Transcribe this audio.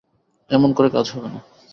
এমন করে কাজ হবে না।